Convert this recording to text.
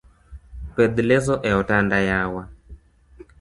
Pedh leso e otanda yawa.